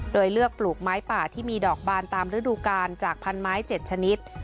โดยเลือกปลูกไม้ป่าที่มีดอกบานตามฤดูกาลจากพันไม้๗ชนิด